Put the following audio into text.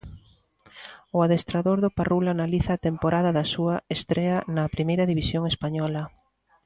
O adestrador do Parrulo analiza a temporada da súa estrea na Primeira División española.